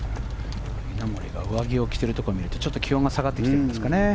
稲森が上着を着ているところを見るとちょっと気温が下がってきているんですかね。